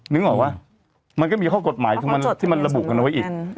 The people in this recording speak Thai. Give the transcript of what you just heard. นึกออกป่ะมันก็มีข้อกฎหมายที่มันระบุกันเอาไว้อีก